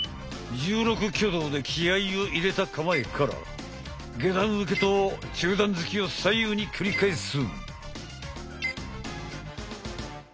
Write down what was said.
１６挙動で気合いを入れた構えから下段受けと中段突きを左右に繰り返す。